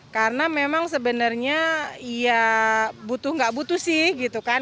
karena memang sebenarnya ya butuh nggak butuh sih gitu kan